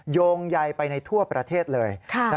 โยงใยไปในทั่วประเทศเลย